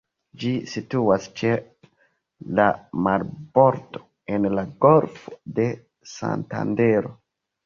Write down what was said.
Ĝi situas ĉe la marbordo en la Golfo de Santandero.